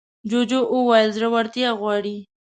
جوجو وویل زړورتيا غواړي.